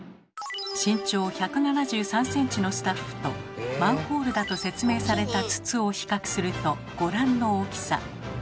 身長１７３ｃｍのスタッフとマンホールだと説明された筒を比較するとご覧の大きさ。